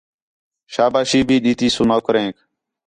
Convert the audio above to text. شاباشی بھی ݙِتّی سو نوکریک